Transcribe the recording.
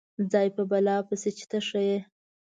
ځای په بلا پسې چې ته ښه یې.